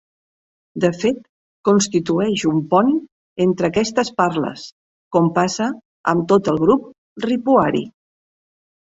De fet constitueix un pont entre aquestes parles, com passa amb tot el grup ripuari.